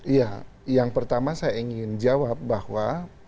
iya yang pertama saya ingin jawab bahwa